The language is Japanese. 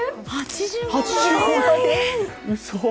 うそ！